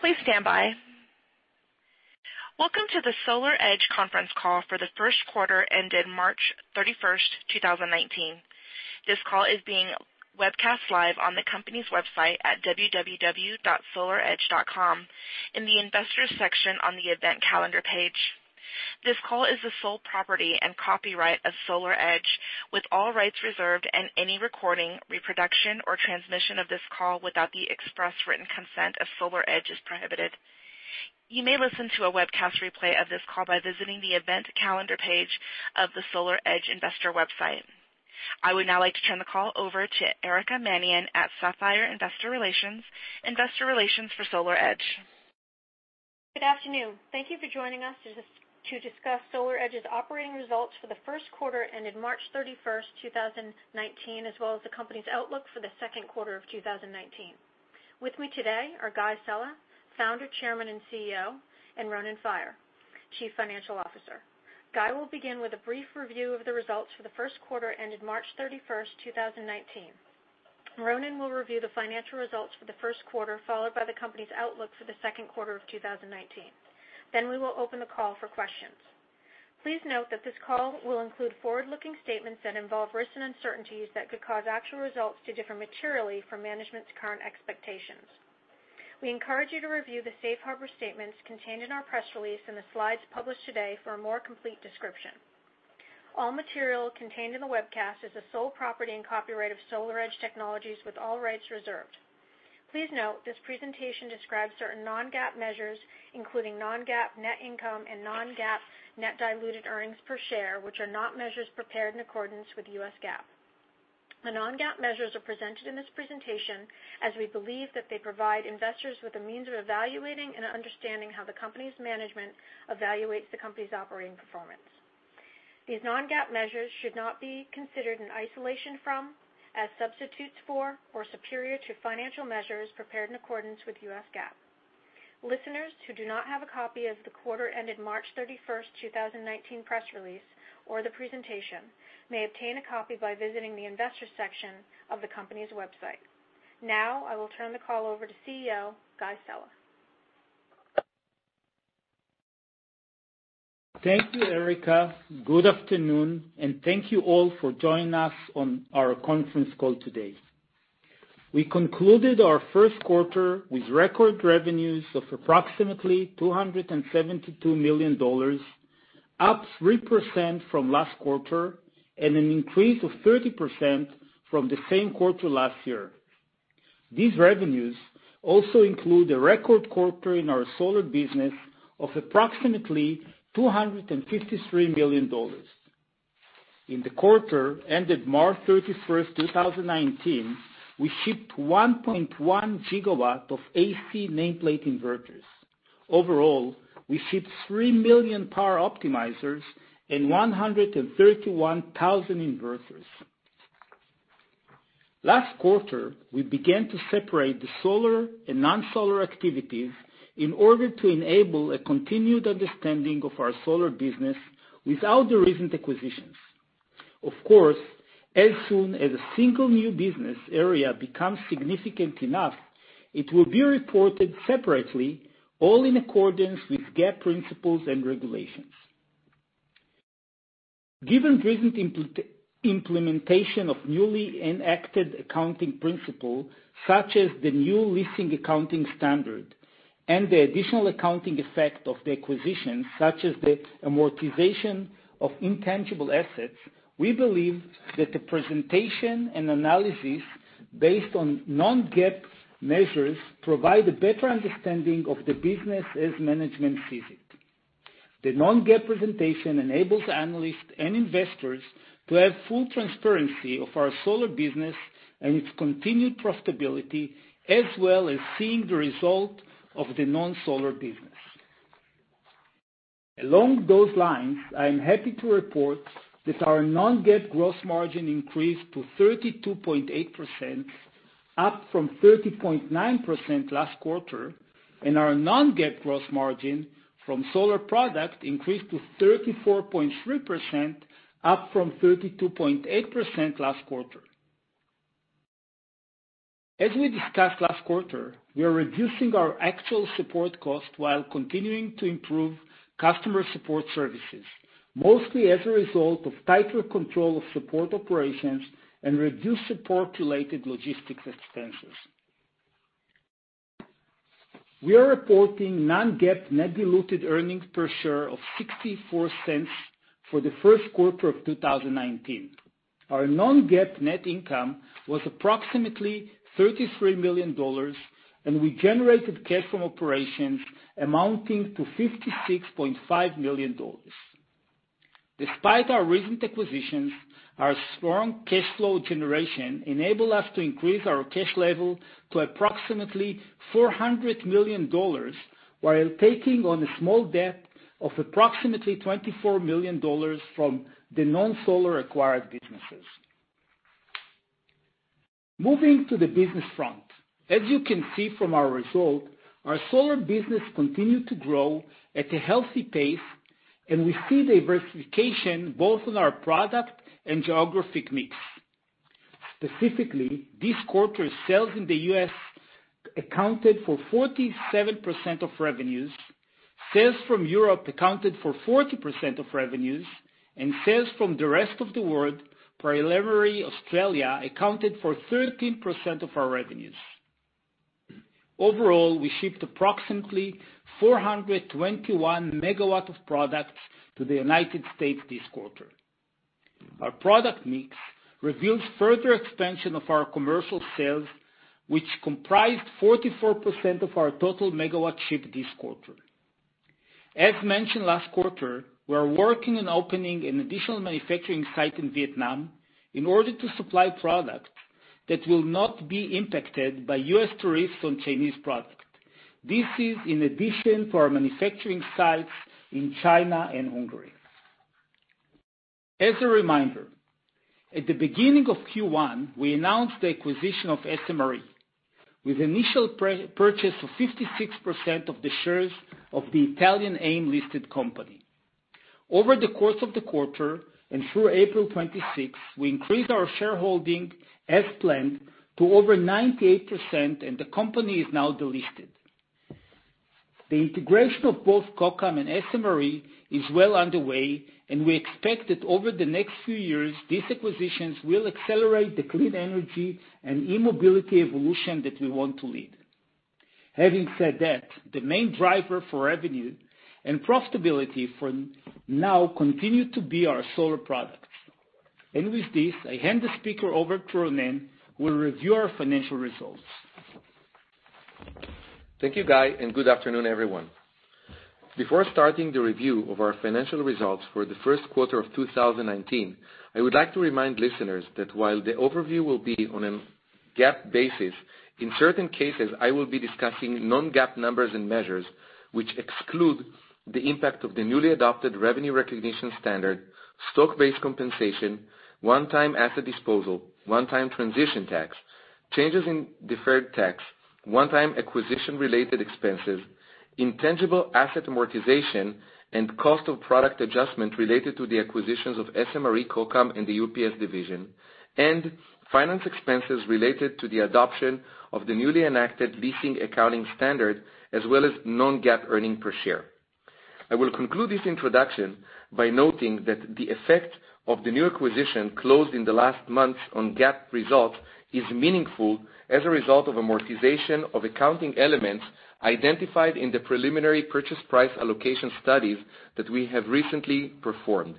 Please stand by. Welcome to the SolarEdge conference call for the first quarter ended March 31st, 2019. This call is being webcast live on the company's website at www.solaredge.com in the Investors section on the Event Calendar page. This call is the sole property and copyright of SolarEdge, with all rights reserved, and any recording, reproduction, or transmission of this call without the express written consent of SolarEdge is prohibited. You may listen to a webcast replay of this call by visiting the Event Calendar page of the SolarEdge investor website. I would now like to turn the call over to Erica Mannion at Sapphire Investor Relations, investor relations for SolarEdge. Good afternoon. Thank you for joining us to discuss SolarEdge's operating results for the first quarter ended March 31st, 2019, as well as the company's outlook for the second quarter of 2019. With me today are Guy Sella, founder, chairman, and CEO, and Ronen Faier, chief financial officer. Guy will begin with a brief review of the results for the first quarter ended March 31st, 2019. Ronen will review the financial results for the first quarter, followed by the company's outlook for the second quarter of 2019. We will open the call for questions. Please note that this call will include forward-looking statements that involve risks and uncertainties that could cause actual results to differ materially from management's current expectations. We encourage you to review the safe harbor statements contained in our press release and the slides published today for a more complete description. All material contained in the webcast is the sole property and copyright of SolarEdge Technologies, with all rights reserved. Please note this presentation describes certain non-GAAP measures, including non-GAAP net income and non-GAAP net diluted earnings per share, which are not measures prepared in accordance with US GAAP. The non-GAAP measures are presented in this presentation as we believe that they provide investors with a means of evaluating and understanding how the company's management evaluates the company's operating performance. These non-GAAP measures should not be considered in isolation from, as substitutes for, or superior to financial measures prepared in accordance with US GAAP. Listeners who do not have a copy of the quarter ended March 31st, 2019, press release or the presentation may obtain a copy by visiting the Investors section of the company's website. I will turn the call over to CEO, Guy Sella. Thank you, Erica. Good afternoon, and thank you all for joining us on our conference call today. We concluded our first quarter with record revenues of approximately $272 million, up 3% from last quarter, and an increase of 30% from the same quarter last year. These revenues also include a record quarter in our solar business of approximately $253 million. In the quarter ended March 31st, 2019, we shipped 1.1 gigawatts of AC nameplate inverters. Overall, we shipped 3 million Power Optimizers and 131,000 inverters. Last quarter, we began to separate the solar and non-solar activities in order to enable a continued understanding of our solar business without the recent acquisitions. Of course, as soon as a single new business area becomes significant enough, it will be reported separately, all in accordance with GAAP principles and regulations. Given recent implementation of newly enacted accounting principles, such as the new leasing accounting standard and the additional accounting effect of the acquisition, such as the amortization of intangible assets, we believe that the presentation and analysis based on non-GAAP measures provide a better understanding of the business as management sees it. The non-GAAP presentation enables analysts and investors to have full transparency of our solar business and its continued profitability, as well as seeing the result of the non-solar business. Along those lines, I am happy to report that our non-GAAP gross margin increased to 32.8%, up from 30.9% last quarter, and our non-GAAP gross margin from solar products increased to 34.3%, up from 32.8% last quarter. As we discussed last quarter, we are reducing our actual support cost while continuing to improve customer support services, mostly as a result of tighter control of support operations and reduced support-related logistics expenses. We are reporting non-GAAP net diluted earnings per share of $0.64 for the first quarter of 2019. Our non-GAAP net income was approximately $33 million, and we generated cash from operations amounting to $56.5 million. Despite our recent acquisitions, our strong cash flow generation enabled us to increase our cash level to approximately $400 million while taking on a small debt of approximately $24 million from the non-solar acquired businesses. Moving to the business front. As you can see from our results, our solar business continued to grow at a healthy pace, and we see diversification both in our product and geographic mix. Specifically, this quarter's sales in the U.S. accounted for 47% of revenues, sales from Europe accounted for 40% of revenues, and sales from the rest of the world, primarily Australia, accounted for 13% of our revenues. Overall, we shipped approximately 421 MW of products to the United States this quarter. Our product mix reveals further expansion of our commercial sales, which comprised 44% of our total MW shipped this quarter. As mentioned last quarter, we are working on opening an additional manufacturing site in Vietnam in order to supply product that will not be impacted by U.S. tariffs on Chinese product. This is in addition to our manufacturing sites in China and Hungary. As a reminder, at the beginning of Q1, we announced the acquisition of SMRE, with initial purchase of 56% of the shares of the Italian AIM-listed company. Over the course of the quarter and through April 26, we increased our shareholding as planned to over 98%, and the company is now delisted. The integration of both Kokam and SMRE is well underway, and we expect that over the next few years, these acquisitions will accelerate the clean energy and e-mobility evolution that we want to lead. Having said that, the main driver for revenue and profitability for now continue to be our solar products. With this, I hand the speaker over to Ronen, who will review our financial results. Thank you, Guy, and good afternoon, everyone. Before starting the review of our financial results for the first quarter of 2019, I would like to remind listeners that while the overview will be on a GAAP basis, in certain cases, I will be discussing non-GAAP numbers and measures which exclude the impact of the newly adopted revenue recognition standard, stock-based compensation, one-time asset disposal, one-time transition tax, changes in deferred tax, one-time acquisition related expenses, intangible asset amortization, and cost of product adjustment related to the acquisitions of SMRE, Kokam, and the UPS division, and finance expenses related to the adoption of the newly enacted leasing accounting standard, as well as non-GAAP earnings per share. I will conclude this introduction by noting that the effect of the new acquisition closed in the last month on GAAP result is meaningful as a result of amortization of accounting elements identified in the preliminary purchase price allocation studies that we have recently performed.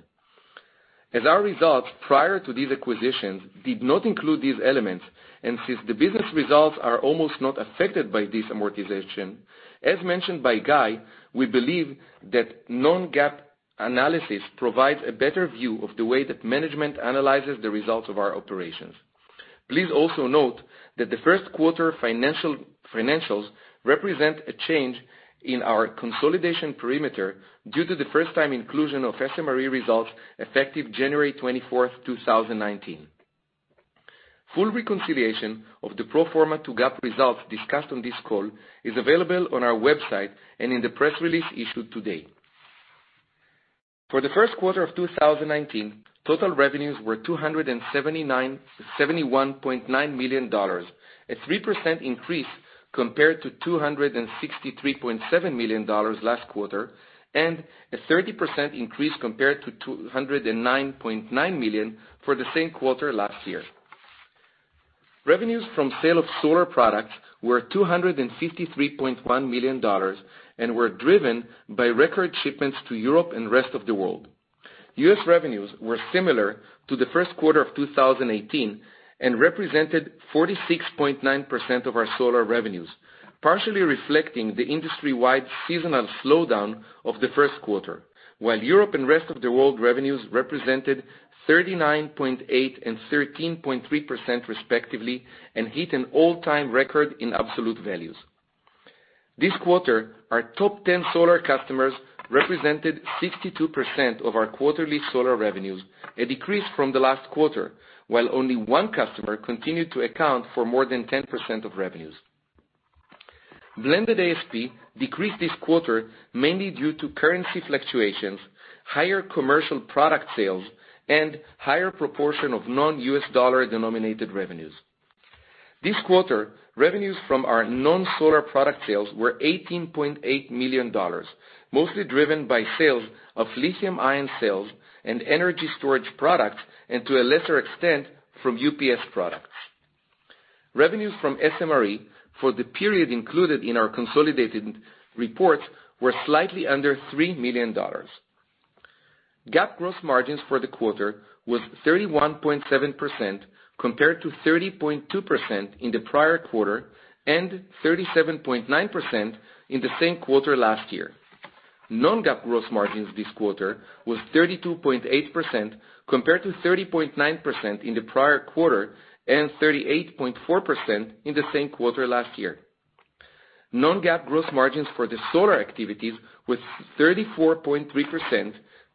As our results prior to these acquisitions did not include these elements, and since the business results are almost not affected by this amortization, as mentioned by Guy, we believe that non-GAAP analysis provides a better view of the way that management analyzes the results of our operations. Please also note that the first quarter financials represent a change in our consolidation perimeter due to the first-time inclusion of SMRE results effective January 24th, 2019. Full reconciliation of the pro forma to GAAP results discussed on this call is available on our website and in the press release issued today. For the first quarter of 2019, total revenues were $271.9 million, a 3% increase compared to $263.7 million last quarter, and a 30% increase compared to $209.9 million for the same quarter last year. Revenues from sale of solar products were $253.1 million and were driven by record shipments to Europe and rest of the world. U.S. revenues were similar to the first quarter of 2018 and represented 46.9% of our solar revenues, partially reflecting the industry-wide seasonal slowdown of the first quarter, while Europe and rest of the world revenues represented 39.8% and 13.3% respectively, and hit an all-time record in absolute values. This quarter, our top 10 solar customers represented 62% of our quarterly solar revenues, a decrease from the last quarter, while only one customer continued to account for more than 10% of revenues. Blended ASP decreased this quarter mainly due to currency fluctuations, higher commercial product sales, and higher proportion of non-U.S. dollar denominated revenues. This quarter, revenues from our non-solar product sales were $18.8 million, mostly driven by sales of lithium-ion cells and energy storage products, and to a lesser extent, from UPS products. Revenues from SMRE for the period included in our consolidated reports were slightly under $3 million. GAAP gross margins for the quarter was 31.7% compared to 30.2% in the prior quarter, and 37.9% in the same quarter last year. Non-GAAP gross margins this quarter was 32.8% compared to 30.9% in the prior quarter and 38.4% in the same quarter last year. Non-GAAP gross margins for the solar activities was 34.3%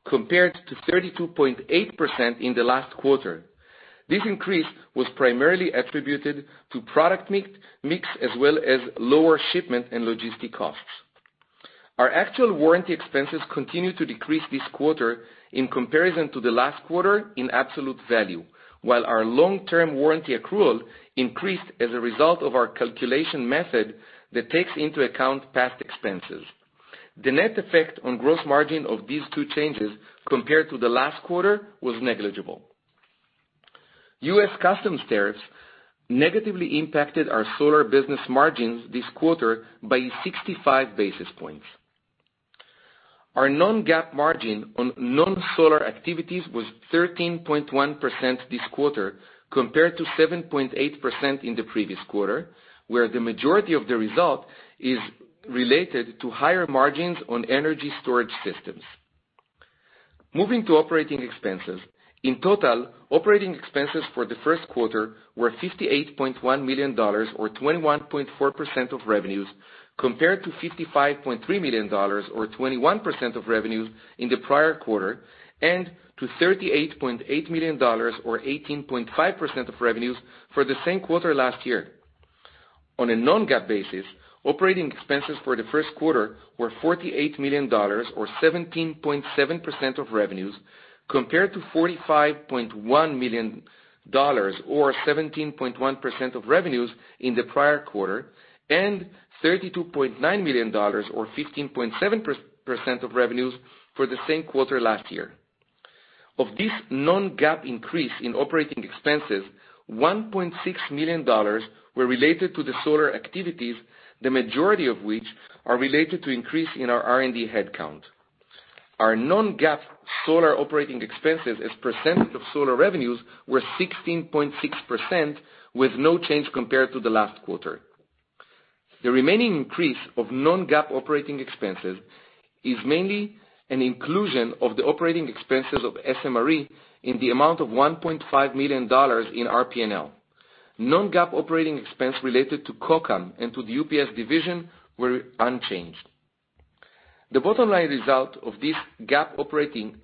compared to 32.8% in the last quarter. This increase was primarily attributed to product mix as well as lower shipment and logistic costs. Our actual warranty expenses continued to decrease this quarter in comparison to the last quarter in absolute value, while our long-term warranty accrual increased as a result of our calculation method that takes into account past expenses. The net effect on gross margin of these two changes compared to the last quarter was negligible. U.S. customs tariffs negatively impacted our solar business margins this quarter by 65 basis points. Our non-GAAP margin on non-solar activities was 13.1% this quarter, compared to 7.8% in the previous quarter, where the majority of the result is related to higher margins on energy storage systems. Moving to operating expenses. In total, operating expenses for the first quarter were $58.1 million, or 21.4% of revenues, compared to $55.3 million, or 21% of revenues in the prior quarter, and to $38.8 million, or 18.5% of revenues for the same quarter last year. On a non-GAAP basis, operating expenses for the first quarter were $48 million, or 17.7% of revenues, compared to $45.1 million or 17.1% of revenues in the prior quarter, and $32.9 million or 15.7% of revenues for the same quarter last year. Of this non-GAAP increase in operating expenses, $1.6 million were related to the solar activities, the majority of which are related to increase in our R&D headcount. Our non-GAAP solar operating expenses as a percentage of solar revenues were 16.6%, with no change compared to the last quarter. The remaining increase of non-GAAP operating expenses is mainly an inclusion of the operating expenses of SMRE in the amount of $1.5 million in our P&L. Non-GAAP operating expense related to Kokam and to the UPS division were unchanged. The bottom line result of this is GAAP operating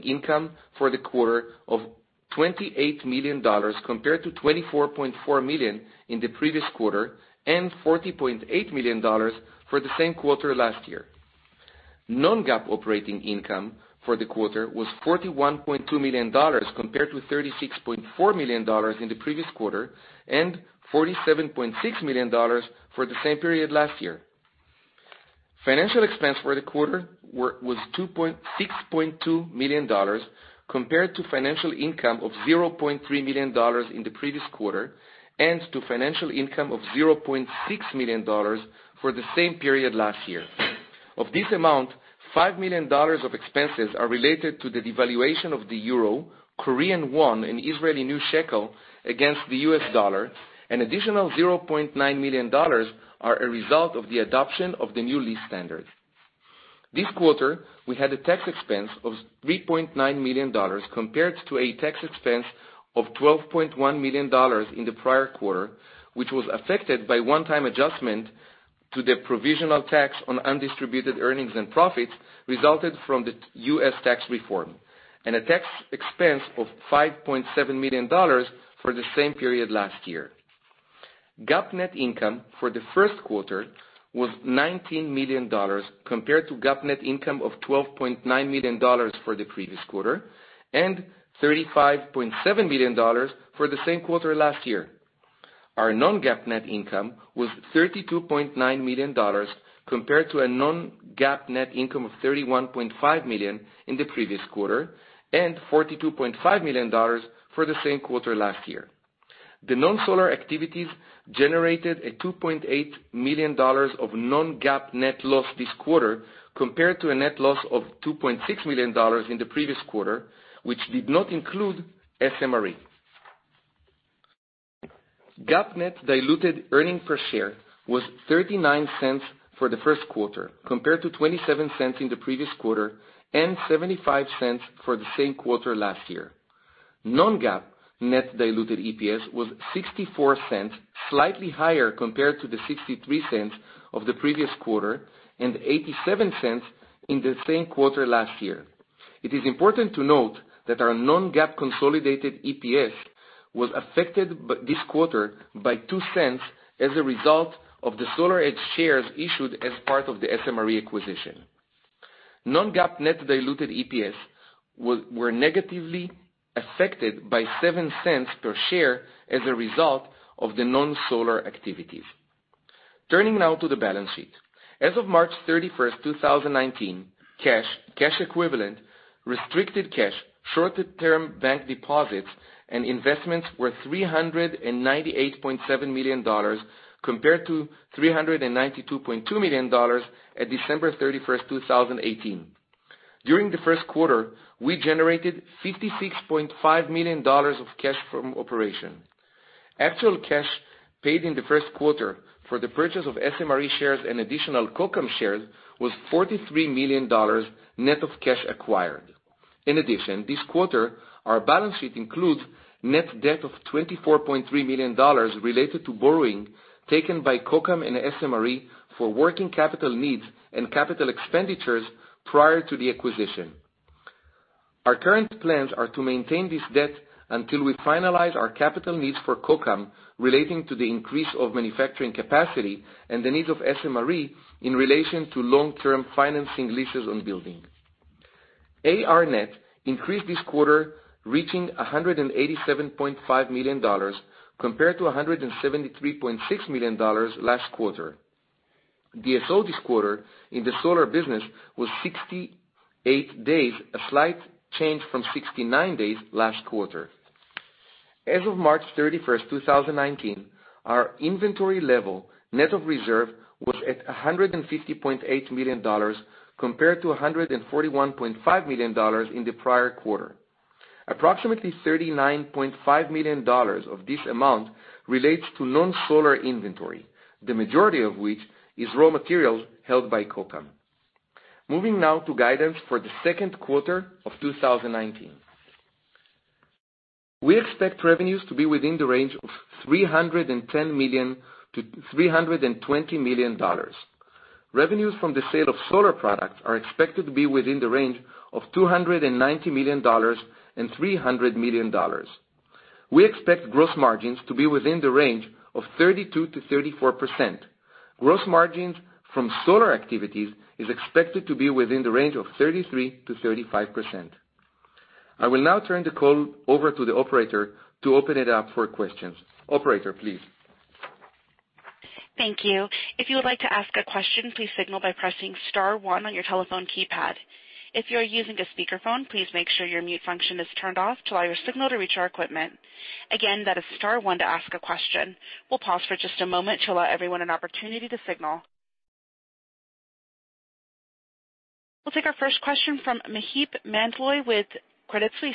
income for the quarter of $28 million, compared to $24.4 million in the previous quarter, and $40.8 million for the same quarter last year. Non-GAAP operating income for the quarter was $41.2 million, compared to $36.4 million in the previous quarter, and $47.6 million for the same period last year. Financial expense for the quarter was $2.6.2 million, compared to financial income of $0.3 million in the previous quarter, and to financial income of $0.6 million for the same period last year. Of this amount, $5 million of expenses are related to the devaluation of the EUR, KRW, and ILS against the U.S. dollar. An additional $0.9 million are a result of the adoption of the new lease standards. This quarter, we had a tax expense of $3.9 million, compared to a tax expense of $12.1 million in the prior quarter, which was affected by a one-time adjustment to the provisional tax on undistributed earnings and profits resulted from the U.S. tax reform, and a tax expense of $5.7 million for the same period last year. GAAP net income for the first quarter was $19 million, compared to GAAP net income of $12.9 million for the previous quarter, and $35.7 million for the same quarter last year. Our non-GAAP net income was $32.9 million, compared to a non-GAAP net income of $31.5 million in the previous quarter, and $42.5 million for the same quarter last year. The non-solar activities generated a $2.8 million of non-GAAP net loss this quarter, compared to a net loss of $2.6 million in the previous quarter, which did not include SMRE. GAAP net diluted earnings per share was $0.39 for the first quarter, compared to $0.27 in the previous quarter and $0.75 for the same quarter last year. Non-GAAP net diluted EPS was $0.64, slightly higher compared to the $0.63 of the previous quarter and $0.87 in the same quarter last year. It is important to note that our non-GAAP consolidated EPS was affected this quarter by $0.02 as a result of the SolarEdge shares issued as part of the SMRE acquisition. Non-GAAP net diluted EPS were negatively affected by $0.07 per share as a result of the non-solar activities. Turning now to the balance sheet. As of March 31st, 2019, cash equivalents, restricted cash, short-term bank deposits, and investments were $398.7 million, compared to $392.2 million at December 31st, 2018. During the first quarter, we generated $56.5 million of cash from operations. Actual cash paid in the first quarter for the purchase of SMRE shares and additional Kokam shares was $43 million, net of cash acquired. In addition, this quarter, our balance sheet includes net debt of $24.3 million related to borrowing taken by Kokam and SMRE for working capital needs and CapEx prior to the acquisition. Our current plans are to maintain this debt until we finalize our capital needs for Kokam relating to the increase of manufacturing capacity and the needs of SMRE in relation to long-term financing leases on buildings. AR net increased this quarter, reaching $187.5 million compared to $173.6 million last quarter. DSO this quarter in the solar business was 68 days, a slight change from 69 days last quarter. As of March 31st, 2019, our inventory level, net of reserves, was at $150.8 million, compared to $141.5 million in the prior quarter. Approximately $39.5 million of this amount relates to non-solar inventory, the majority of which is raw materials held by Kokam. Moving now to guidance for the second quarter of 2019. We expect revenues to be within the range of $310 million-$320 million. Revenues from the sale of solar products are expected to be within the range of $290 million-$300 million. We expect gross margins to be within the range of 32%-34%. Gross margins from solar activities is expected to be within the range of 33%-35%. I will now turn the call over to the operator to open it up for questions. Operator, please. Thank you. If you would like to ask a question, please signal by pressing star one on your telephone keypad. If you are using a speakerphone, please make sure your mute function is turned off to allow your signal to reach our equipment. Again, that is star one to ask a question. We'll pause for just a moment to allow everyone an opportunity to signal. We'll take our first question from Maheep Mandloi with Credit Suisse.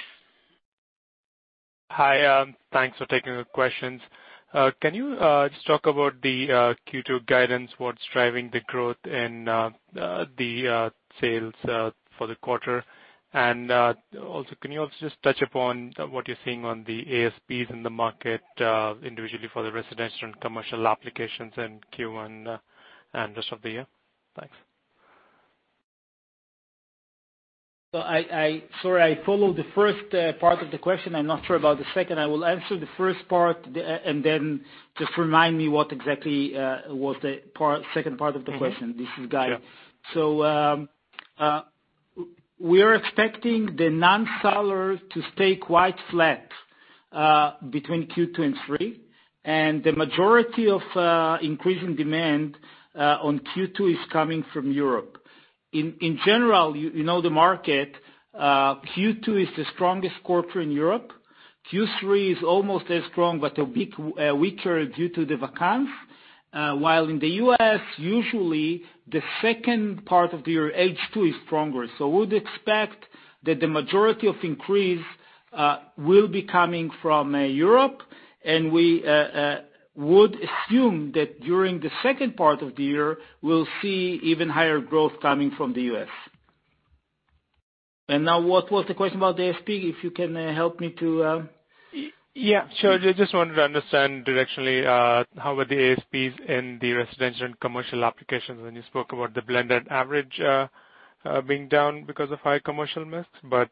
Hi. Thanks for taking the questions. Can you just talk about the Q2 guidance, what's driving the growth and the sales for the quarter? Also, can you also just touch upon what you're seeing on the ASPs in the market individually for the residential and commercial applications in Q1 and rest of the year? Thanks. Sorry, I followed the first part of the question. I'm not sure about the second. I will answer the first part and then just remind me what exactly was the second part of the question. This is Guy. Sure. We're expecting the non-solar to stay quite flat between Q2 and three, the majority of increasing demand on Q2 is coming from Europe. In general, you know the market, Q2 is the strongest quarter in Europe. Q3 is almost as strong but a bit weaker due to the vacance. While in the U.S., usually the second part of the year, H2, is stronger. We would expect that the majority of increase will be coming from Europe, we would assume that during the second part of the year, we'll see even higher growth coming from the U.S. Now what was the question about the ASP, if you can help me to Yeah, sure. I just wanted to understand directionally how were the ASPs in the residential and commercial applications when you spoke about the blended average being down because of high commercial mix.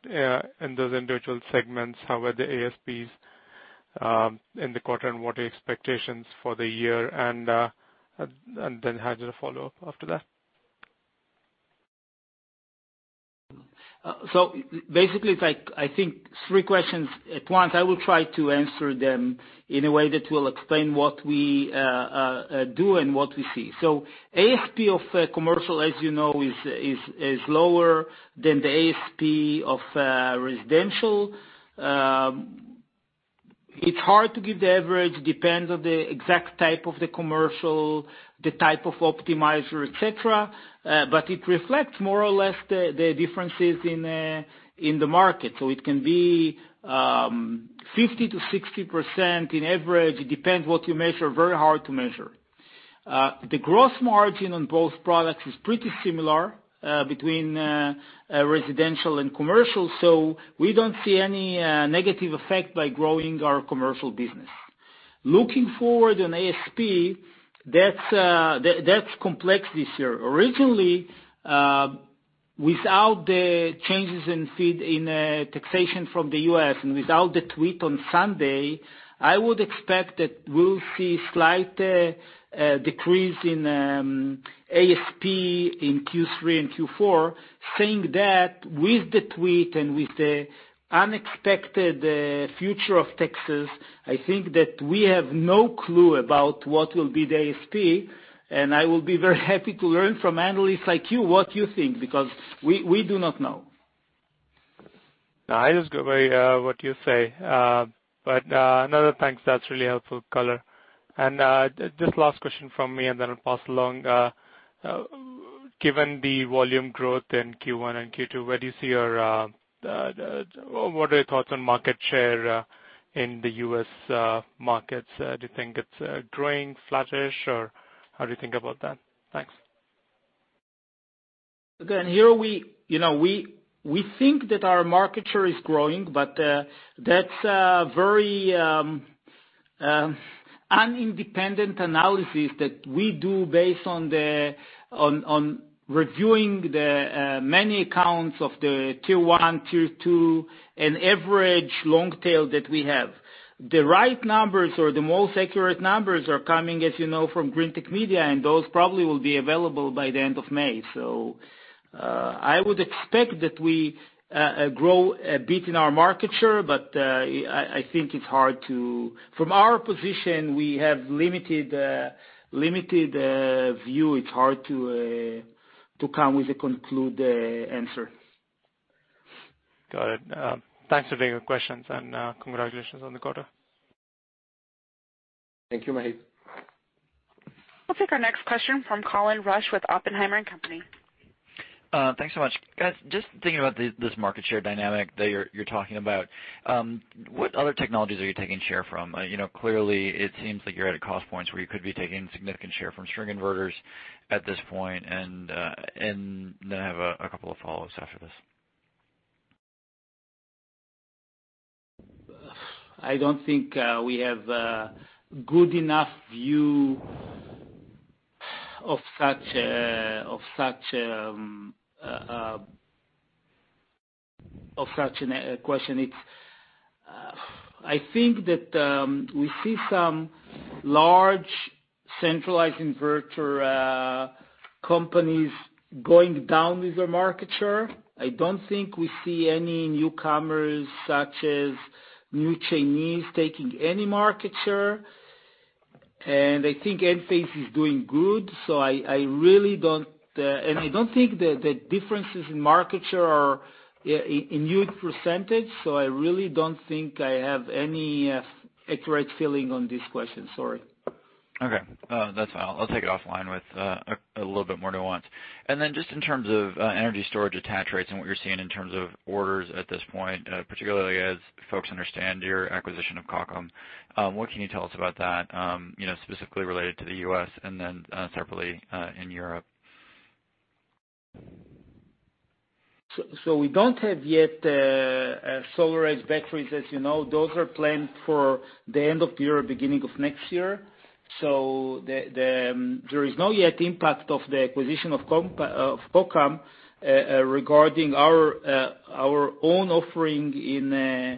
In those individual segments, how were the ASPs in the quarter, and what are your expectations for the year? I have a follow up after that. Basically, it's like, I think, three questions at once. I will try to answer them in a way that will explain what we do and what we see. ASP of commercial, as you know, is lower than the ASP of residential. It's hard to give the average. Depends on the exact type of the commercial, the type of optimizer, et cetera. It reflects more or less the differences in the market. It can be 50%-60% in average. It depends what you measure. Very hard to measure. The gross margin on both products is pretty similar between residential and commercial, so we don't see any negative effect by growing our commercial business. Looking forward on ASP, that's complex this year. Originally, without the changes in feed, in taxation from the U.S. and without the tweet on Sunday, I would expect that we'll see slight decrease in ASP in Q3 and Q4. Saying that, with the tweet and with the unexpected future of taxes, I think that we have no clue about what will be the ASP, and I will be very happy to learn from analysts like you what you think, because we do not know. No, I just go by what you say. Another thanks, that's really helpful color. Just last question from me, I'll pass along. Given the volume growth in Q1 and Q2, what are your thoughts on market share in the U.S. markets? Do you think it's growing, flattish, or how do you think about that? Thanks. Again, here we think that our market share is growing, but that's very, an independent analysis that we do based on reviewing the many accounts of the tier 1, tier 2, and average long tail that we have. The right numbers or the most accurate numbers are coming, as you know, from Greentech Media, and those probably will be available by the end of May. I would expect that we grow a bit in our market share, but I think from our position, we have limited view. It's hard to come with a conclusive answer. Got it. Thanks for taking the questions and congratulations on the quarter. Thank you, Maheep. We'll take our next question from Colin Rusch with Oppenheimer & Co. Thanks so much. Guys, just thinking about this market share dynamic that you're talking about, what other technologies are you taking share from? Clearly, it seems like you're at a cost points where you could be taking significant share from string inverters at this point, and then I have a couple of follow-ups after this. I don't think we have a good enough view of such a question. I think that we see some large centralized inverter companies going down with their market share. I don't think we see any newcomers such as new Chinese taking any market share. I think Enphase is doing good, and I don't think the differences in market share are in huge percentage, I really don't think I have any accurate feeling on this question. Sorry. Okay. That's fine. I'll take it offline with a little bit more nuance. Just in terms of energy storage attach rates and what you're seeing in terms of orders at this point, particularly as folks understand your acquisition of Kokam, what can you tell us about that, specifically related to the U.S. and then separately in Europe? We don't have yet SolarEdge batteries, as you know. Those are planned for the end of the year, beginning of next year. There is no yet impact of the acquisition of Kokam regarding our own offering in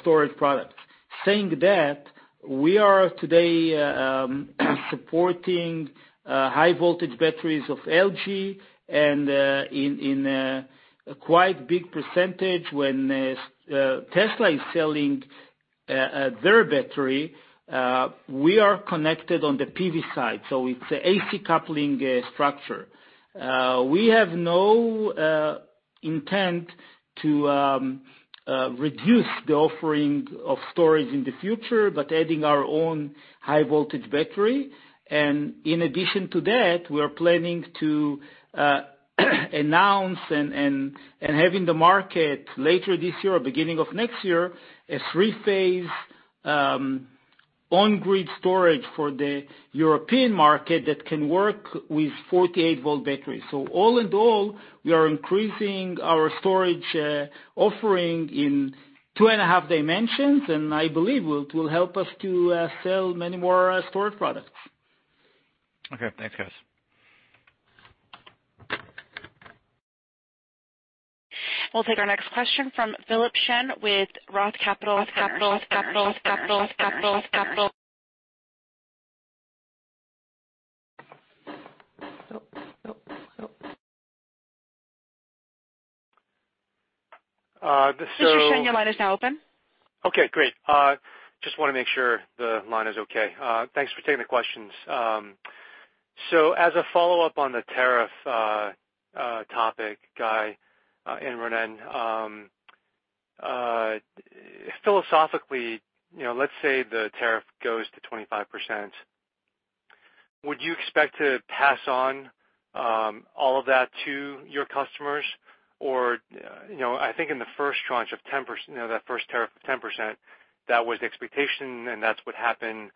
storage products. Saying that, we are today supporting high-voltage batteries of LG and in a quite big percentage when Tesla is selling their battery, we are connected on the PV side. It's AC coupling structure. We have no intent to reduce the offering of storage in the future, but adding our own high-voltage battery. In addition to that, we are planning to announce and have in the market later this year or beginning of next year, a three-phase on-grid storage for the European market that can work with 48-volt batteries. All in all, we are increasing our storage offering in two and a half dimensions, and I believe it will help us to sell many more storage products. Okay. Thanks, guys. We will take our next question from Philip Shen with Roth Capital Partners. So- Mr. Shen, your line is now open. Okay, great. Just want to make sure the line is okay. Thanks for taking the questions. As a follow-up on the tariff topic, Guy and Ronen, philosophically, let's say the tariff goes to 25%, would you expect to pass on all of that to your customers? I think in the first tranche of 10%, that first tariff of 10%, that was the expectation and that's what happened,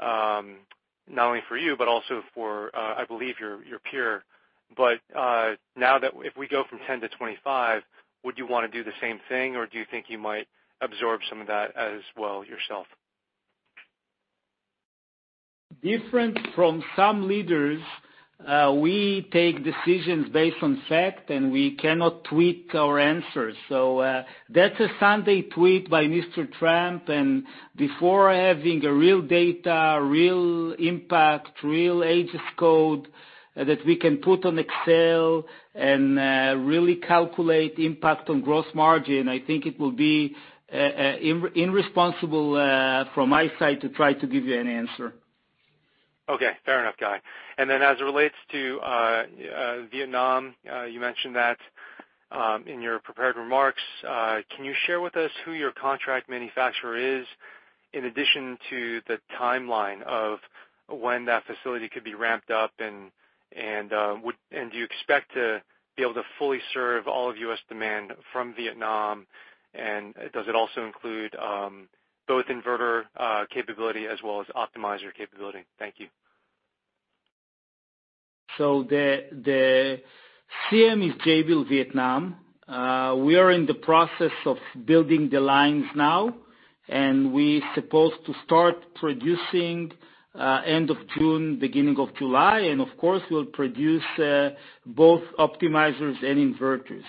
not only for you but also for, I believe, your peer. Now, if we go from 10 to 25, would you want to do the same thing, or do you think you might absorb some of that as well yourself? Different from some leaders, we take decisions based on fact, and we cannot tweak our answers. That's a Sunday tweet by Mr. Trump, and before having a real data, real impact, real HS code that we can put on Excel and really calculate impact on gross margin, I think it will be irresponsible from my side to try to give you an answer. Okay. Fair enough, Guy. As it relates to Vietnam, you mentioned that in your prepared remarks. Can you share with us who your contract manufacturer is, in addition to the timeline of when that facility could be ramped up, and do you expect to be able to fully serve all of U.S. demand from Vietnam, and does it also include both inverter capability as well as optimizer capability? Thank you. The CM is Jabil Vietnam. We are in the process of building the lines now, and we supposed to start producing end of June, beginning of July. Of course, we'll produce both optimizers and inverters.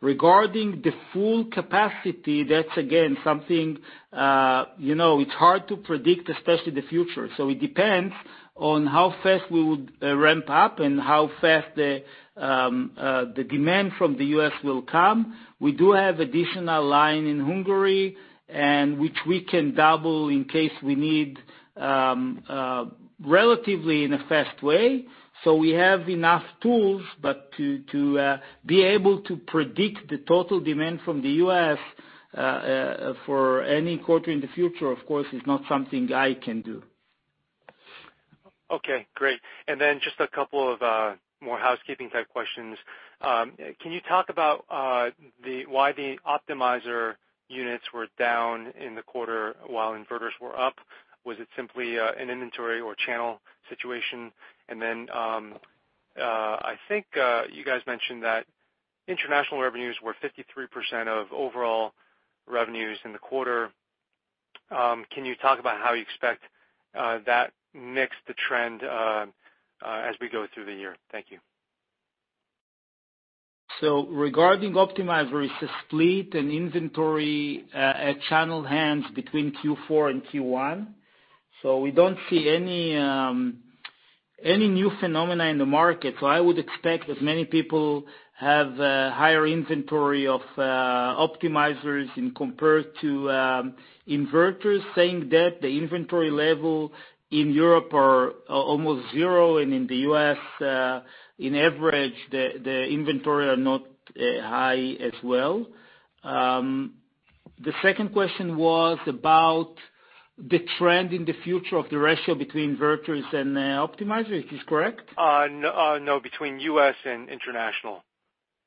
Regarding the full capacity, that's again, something it's hard to predict, especially the future. It depends on how fast we would ramp up and how fast the demand from the U.S. will come. We do have additional line in Hungary, and which we can double in case we need, relatively in a fast way. We have enough tools, but to be able to predict the total demand from the U.S. for any quarter in the future, of course, is not something I can do. Okay, great. Just a couple of more housekeeping type questions. Can you talk about why the Power Optimizers units were down in the quarter while inverters were up? Was it simply an inventory or channel situation? I think you guys mentioned that international revenues were 53% of overall revenues in the quarter. Can you talk about how you expect that mix, the trend, as we go through the year? Thank you. Regarding Power Optimizers, it's a split in inventory at channel hands between Q4 and Q1. We don't see any new phenomena in the market. I would expect that many people have higher inventory of Power Optimizers compared to inverters. Saying that, the inventory level in Europe are almost zero, and in the U.S., in average, the inventory are not high as well. The second question was about the trend in the future of the ratio between inverters and Power Optimizers. Is this correct? No. Between U.S. and international,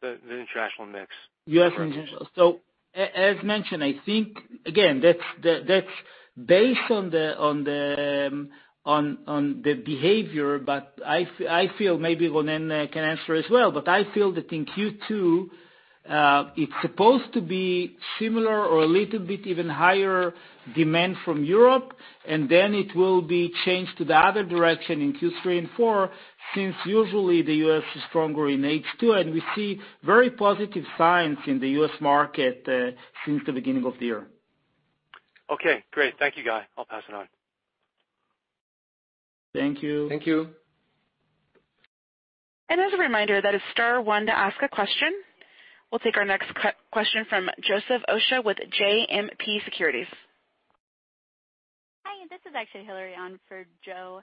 the international mix. U.S. and international. As mentioned, I think, again, that's based on the behavior, I feel maybe Ronen can answer as well. I feel that in Q2, it's supposed to be similar or a little bit even higher demand from Europe, then it will be changed to the other direction in Q3 and Q4, since usually the U.S. is stronger in H2, and we see very positive signs in the U.S. market, since the beginning of the year. Okay, great. Thank you, Guy. I'll pass it on. Thank you. Thank you. As a reminder, that is star one to ask a question. We'll take our next question from Joseph Osha with JMP Securities. Hi, this is actually Hilary on for Joe.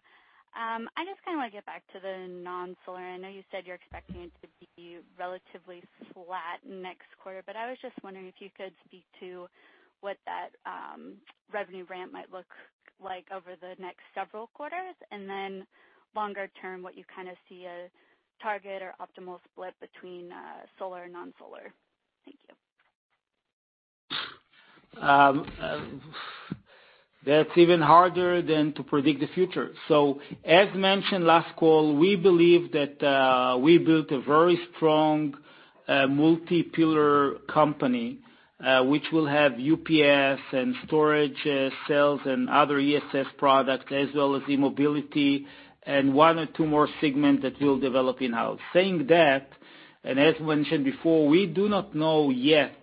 I just want to get back to the non-solar. I know you said you're expecting it to be relatively flat next quarter. I was just wondering if you could speak to what that revenue ramp might look like over the next several quarters, and then longer term, what you see a target or optimal split between solar and non-solar. Thank you. That's even harder than to predict the future. As mentioned last call, we believe that we built a very strong, multi-pillar company, which will have UPS and storage cells and other ESS products, as well as e-mobility and one or two more segments that we'll develop in-house. Saying that, as mentioned before, we do not know yet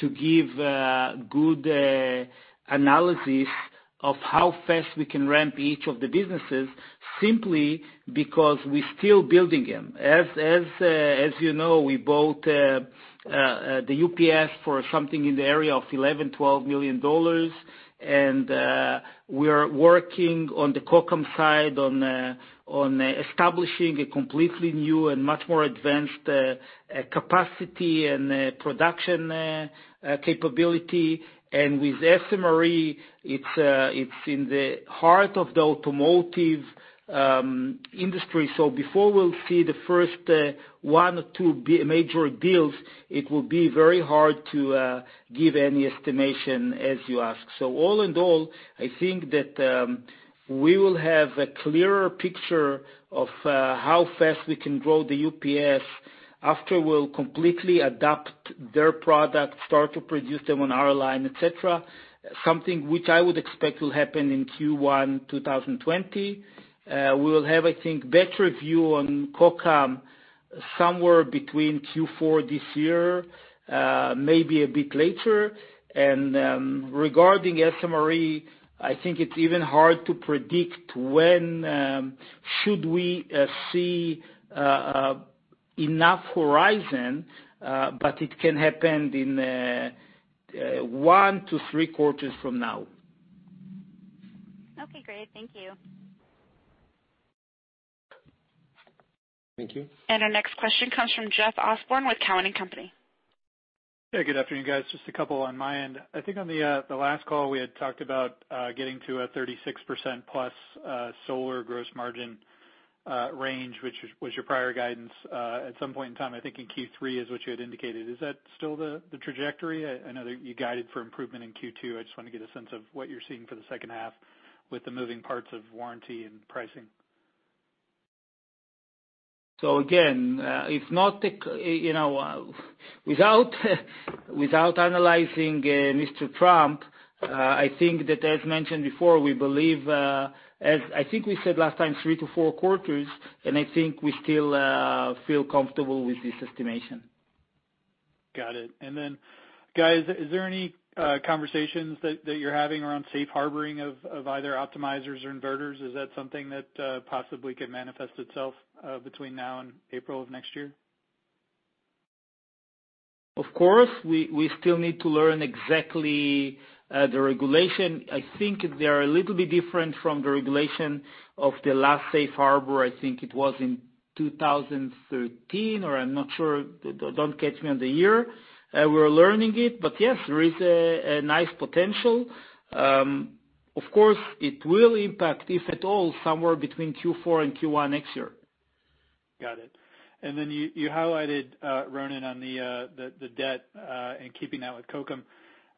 to give good analysis of how fast we can ramp each of the businesses simply because we're still building them. As you know, we bought the UPS for something in the area of $11 million-$12 million. We are working on the Kokam side on establishing a completely new and much more advanced capacity and production capability. With SMRE, it's in the heart of the automotive industry. Before we'll see the first one or two major deals, it will be very hard to give any estimation as you ask. All in all, I think that we will have a clearer picture of how fast we can grow the UPS after we'll completely adopt their product, start to produce them on our line, et cetera, something which I would expect will happen in Q1 2020. We will have, I think, better view on Kokam somewhere between Q4 this year, maybe a bit later. Regarding SMRE, I think it's even hard to predict when should we see enough horizon, but it can happen in one to three quarters from now. Okay, great. Thank you. Thank you. Our next question comes from Jeff Osborne with Cowen and Company. Yeah. Good afternoon, guys. Just a couple on my end. I think on the last call we had talked about getting to a 36%+ solar gross margin range which was your prior guidance, at some point in time, I think in Q3 is what you had indicated. Is that still the trajectory? I know that you guided for improvement in Q2. I just want to get a sense of what you're seeing for the second half with the moving parts of warranty and pricing. Again, without analyzing Mr. Trump, I think that as mentioned before, we believe, as I think we said last time, three to four quarters, and I think we still feel comfortable with this estimation. Got it. Guy, is there any conversations that you are having around safe harbor of either optimizers or inverters? Is that something that possibly could manifest itself between now and April of next year? Of course, we still need to learn exactly the regulation. I think they are a little bit different from the regulation of the last safe harbor. I think it was in 2013, or I am not sure. Don't catch me on the year. We're learning it. Yes, there is a nice potential. Of course, it will impact, if at all, somewhere between Q4 and Q1 next year. Got it. You highlighted, Ronen, on the debt, and keeping that with Kokam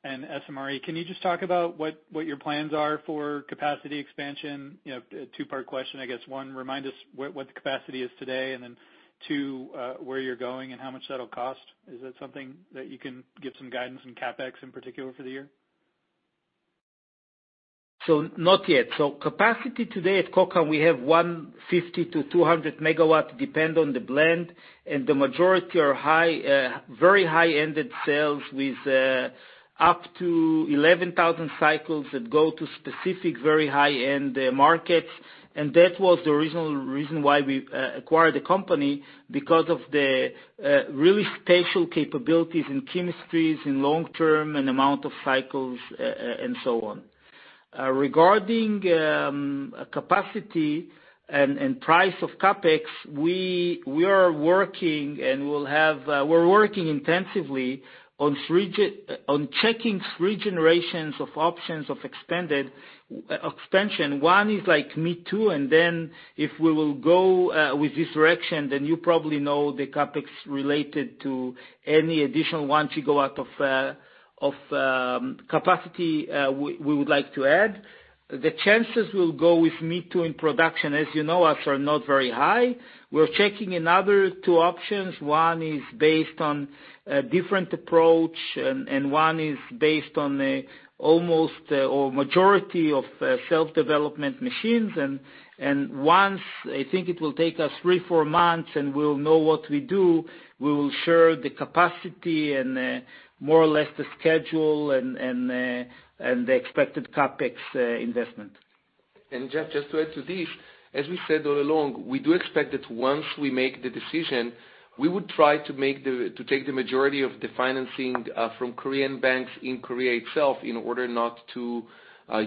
and SMRE. Can you just talk about what your plans are for capacity expansion? A two-part question, I guess. One, remind us what the capacity is today, and two, where you are going and how much that will cost. Is that something that you can give some guidance on CapEx, in particular for the year? Not yet. Capacity today at Kokam, we have 150 to 200 megawatt, depend on the blend, and the majority are very high-ended cells with up to 11,000 cycles that go to specific, very high-end markets. That was the original reason why we acquired the company because of the really special capabilities in chemistries, in long-term and amount of cycles, and so on. Regarding capacity and price of CapEx, we are working intensively on checking three generations of options of expansion. One is like mid two, if we will go with this direction, you probably know the CapEx related to any additional one to go out of capacity, we would like to add. The chances will go with mid two in production, as you know, are not very high. We are checking another two options. One is based on a different approach, and one is based on almost or majority of self-development machines. Once, I think it will take us three, four months and we'll know what we do, we will share the capacity and more or less the schedule and the expected CapEx investment. Jeff, just to add to this, as we said all along, we do expect that once we make the decision, we would try to take the majority of the financing from Korean banks in Korea itself, in order not to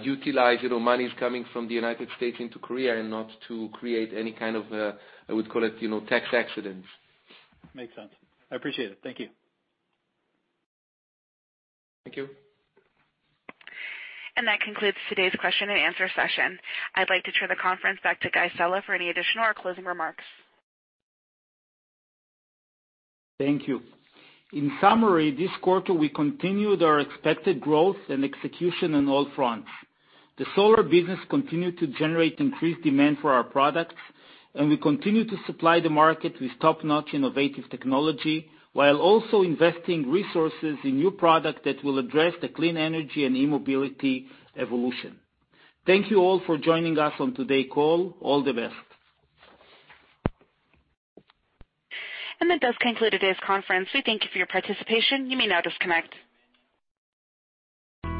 utilize monies coming from the United States into Korea and not to create any kind of, I would call it, tax accidents. Makes sense. I appreciate it. Thank you. Thank you. That concludes today's question and answer session. I'd like to turn the conference back to Guy Sella for any additional or closing remarks. Thank you. In summary, this quarter, we continued our expected growth and execution on all fronts. The solar business continued to generate increased demand for our products, and we continue to supply the market with top-notch innovative technology while also investing resources in new product that will address the clean energy and e-mobility evolution. Thank you all for joining us on today call. All the best. That does conclude today's conference. We thank you for your participation. You may now disconnect.